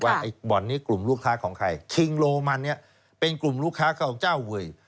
ไอ้บ่อนนี้กลุ่มลูกค้าของใครคิงโรมันเนี่ยเป็นกลุ่มลูกค้าเก่าเจ้าเวย